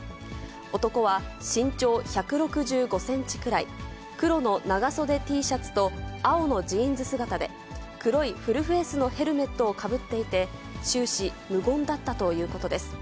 男は身長１６５センチくらい、黒の長袖Ｔシャツと青のジーンズ姿で、黒いフルフェースのヘルメットをかぶっていて、終始、無言だったということです。